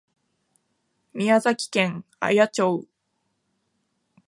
宮崎県綾町